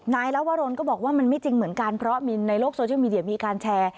ลวรนก็บอกว่ามันไม่จริงเหมือนกันเพราะมีในโลกโซเชียลมีเดียมีการแชร์